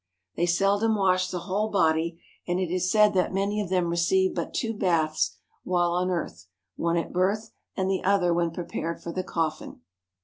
They seldom wash the whole body, and it is said that many of them receive but two baths while on earth, one at birth, and the other when prepared for the coffin.